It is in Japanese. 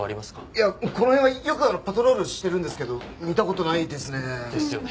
いやこの辺はよくパトロールしてるんですけど見た事ないですね。ですよね。